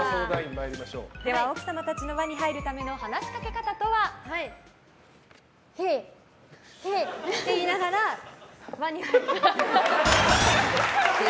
奥様たちの輪に入るための話しかけ方とは？へ！へ！って言いながら輪に入る。